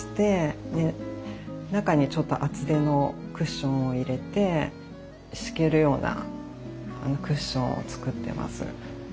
で中にちょっと厚手のクッションを入れて敷けるようなクッションを作ってます。